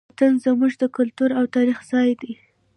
وطن زموږ د کلتور او تاریخ ځای دی.